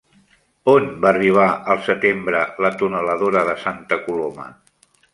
On va arribar al setembre la tuneladora de Santa Coloma?